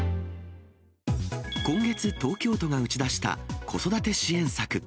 今月、東京都が打ち出した子育て支援策。